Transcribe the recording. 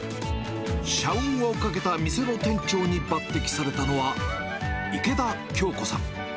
社運を懸けた店の店長に抜てきされたのは、池田杏子さん。